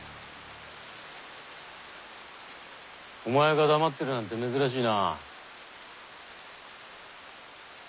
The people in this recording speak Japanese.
お前が黙ってるなんて珍しいな。